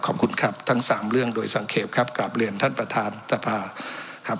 ขอบคุณครับทั้งสามเรื่องโดยสังเกตครับกลับเรียนท่านประธานสภาครับ